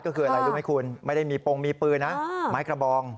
ก็คืออะไรรู้ไหมคุณไม่ได้มีโปรงมีปืนนะไม้กระบอง